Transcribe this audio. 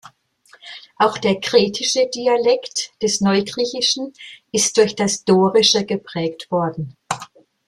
Auch der kretische Dialekt des Neugriechischen ist durch das Dorische geprägt worden.